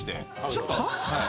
ちょっとはい。